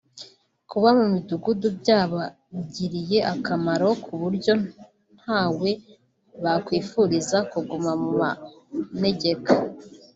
Kuba mu midugudu byabagiriye akamaro kuburyo ntawe bakwifuriza kuguma mu manegeka